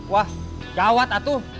wah gawat atuh